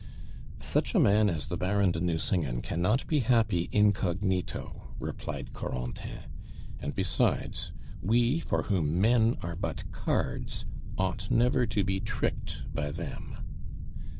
"Such a man as the Baron de Nucingen cannot be happy incognito," replied Corentin. "And besides, we for whom men are but cards, ought never to be tricked by them."